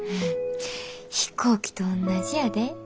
飛行機とおんなじやで。